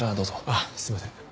あっすいません。